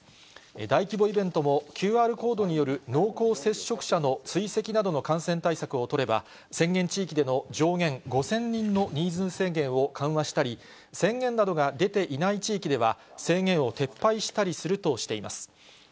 大規模イベントも、ＱＲコードによる濃厚接触者の追跡などの感染対策を取れば、宣言地域での上限５０００人の人数制限を緩和したり、宣言などが出ていない地域では、制限を撤廃したりするとしています。